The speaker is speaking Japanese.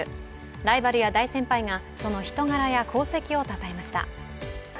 ライバルや大先輩がその人柄や功績をたたえました。